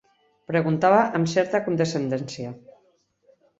Preguntava amb certa condescendència